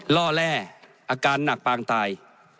ล่อแร่อาการหนักปางตาย